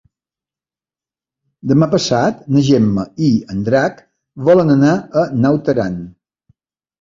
Demà passat na Gemma i en Drac volen anar a Naut Aran.